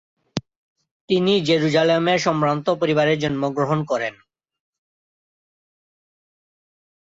তিনি জেরুসালেমের সম্ভ্রান্ত পরিবারে জন্মগ্রহণ করেন।